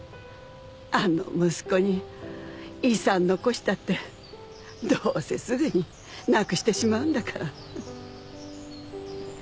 あの息子に遺産残したってどうせすぐになくしてしまうんだから。